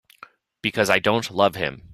Because I don't love him.